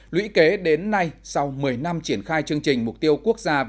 lũy kế đến nay sau một mươi năm triển khai chương trình mục tiêu quốc gia